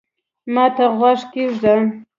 ما ته غوږ کېږده